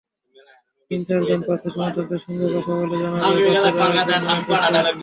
তিন-চারজন প্রার্থীর সমর্থকের সঙ্গে কথা বলে জানা যায়, প্রার্থীরা এখন অনেক কষ্টে আছেন।